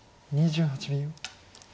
２８秒。